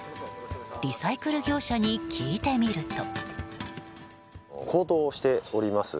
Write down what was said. リサイクル業者に聞いてみると。